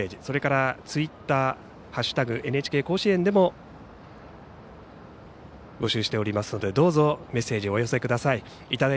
それからツイッター「＃ＮＨＫ甲子園」でも募集しておりますのでどうぞ、メッセージをお寄せください。